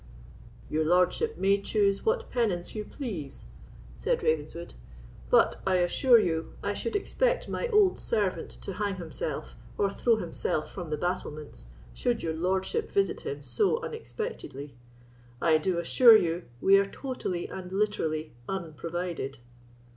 "Your lordship may choose what penance you please," said Ravenswood; "but I assure you, I should expect my old servant to hang himself, or throw himself from the battlements, should your lordship visit him so unexpectedly. I do assure you, we are totally and literally unprovided."